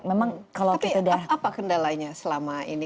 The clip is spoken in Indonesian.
memang apa kendalanya selama ini